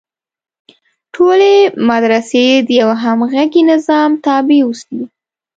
ټولې مدرسې د یوه همغږي نظام تابع اوسي.